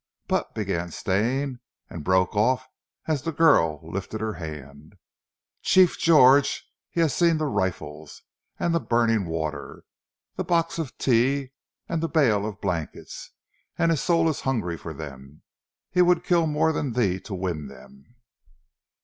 "But " began Stane, and broke off as the girl lifted her hand. "Chief George has seen the rifles, and the burning water, the box of tea and the bale of blankets, and his soul is hungry for them. He would kill more than thee to win them."